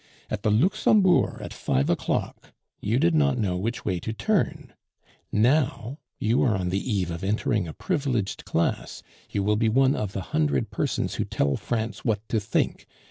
At the Luxembourg, at five o'clock, you did not know which way to turn; now, you are on the eve of entering a privileged class, you will be one of the hundred persons who tell France what to think.